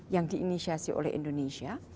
yang diinisiasi oleh indonesia